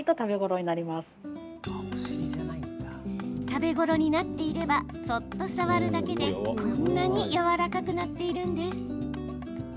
食べ頃になっていればそっと触るだけでこんなにやわらかくなっているんです。